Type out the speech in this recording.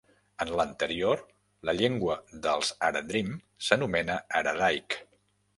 En l'anterior, la llengua dels haradrim s'anomena "haradaic".